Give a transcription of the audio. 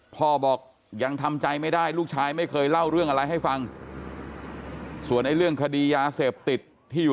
พ่อบอกยังทำใจไม่ได้ลูกชายไม่เคยเล่าเรื่องอะไรให้ฟังส่วนไอ้เรื่องคดียาเสพติดที่อยู่